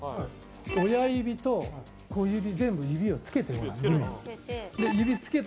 親指と小指、全部、指をつけて地面につける。